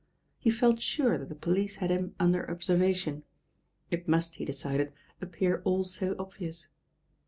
He felt sure that the police had him under observation. It must, he decided, appear all so obvious.